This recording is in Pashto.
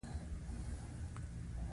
نه، ته نه وې خطا شوې چې ویل دې